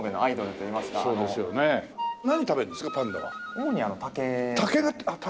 主に竹。